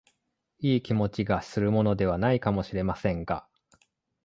いい気持ちがするものでは無いかも知れませんが、